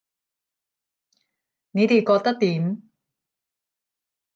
你哋覺得點